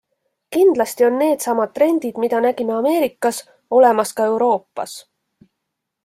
Kindlasti on needsamad trendid, mida nägime Ameerikas, olemas ka Euroopas.